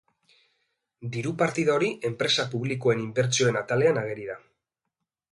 Diru partida hori enpresa publikoen inbertsioen atalean ageri da.